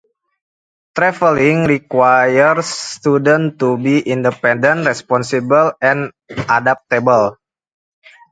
Traveling requires students to be independent, responsible, and adaptable.